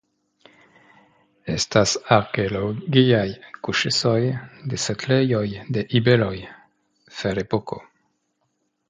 Estas arkeologiaj kuŝejoj de setlejoj de iberoj (Ferepoko).